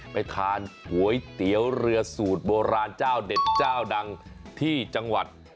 ไปทานก๋วยเตี๋ยวเรือสูตรโบราณเจ้าเด็ดเจ้าดังที่จังหวัด